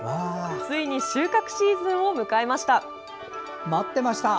ついに収穫シーズンを迎えました。